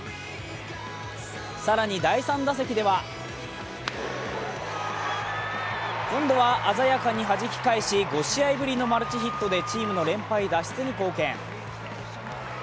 更に第３打席では今度は鮮やかにはじき返し、５試合ぶりのマルチヒットでチームの連敗脱出に貢献。